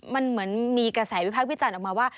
มันเหมือนมีกระแสวิพากษ์วิจารณ์ออกมาว่า